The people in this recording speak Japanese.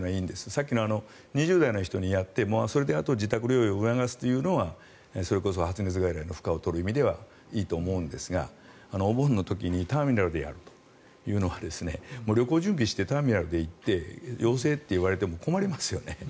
さっきの２０代の人にやってあとは自宅療養を促すというのはそれこそ発熱外来の負荷を取る意味ではいいと思うんですがお盆の時にターミナルでやるというのは旅行を準備してターミナルに行って陽性と言われても困りますよね。